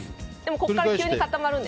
ここから急に固まるので。